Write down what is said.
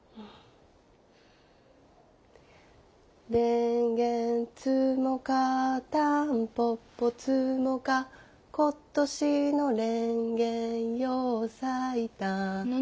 れんげ摘もかたんぽぽ摘もか今年のれんげよう咲いた何？